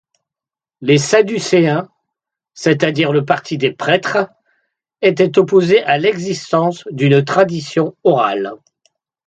Les Saducéens, c'est-à-dire le parti des Prêtres, étaient opposés à l'existence d'une tradition orale.